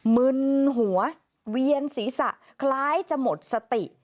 มึนหัวเวียนศีรษะคล้ายจะหมดสติ